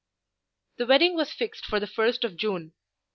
The wedding was fixed for the first of June.